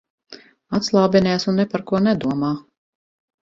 Atslābinies un ne par ko nedomā.